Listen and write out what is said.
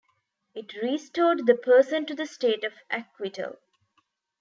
It restored the person to the state of acquittal.